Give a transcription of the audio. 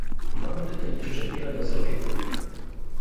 Mamy tutaj jeszcze wiele do zrobienia